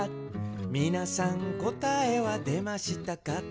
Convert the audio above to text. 「みなさんこたえはでましたか？」